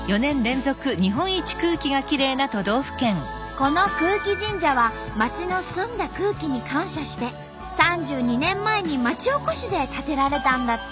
この空気神社は町の澄んだ空気に感謝して３２年前に町おこしで建てられたんだって。